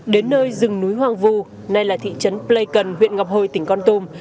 đến nơi rừng núi hoàng vu nay là thị trấn pleikon huyện ngọc hôi tỉnh con tùm